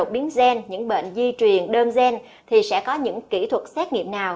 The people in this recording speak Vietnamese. biến gen những bệnh di truyền đơn gen thì sẽ có những kỹ thuật xét nghiệm nào